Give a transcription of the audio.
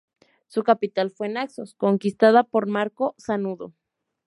Se capital fue Naxos, conquistada por Marco Sanudo.